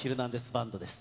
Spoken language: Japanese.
バンドです。